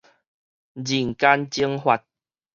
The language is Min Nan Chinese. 人間蒸發